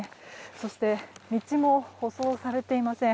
そして道も舗装されていません。